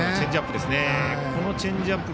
チェンジアップ。